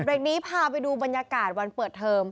เด็กนี้พาไปดูบรรยากาศวันเปิดเทอม